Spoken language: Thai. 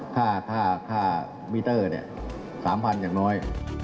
ค่ามีเตอร์๓๐๐๐อย่างน้อย